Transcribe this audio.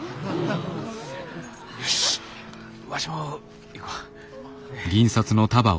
よしわしも行くわ。